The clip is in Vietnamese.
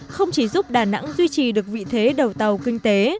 không chỉ giúp đà nẵng duy trì được vị thế đầu tàu kinh tế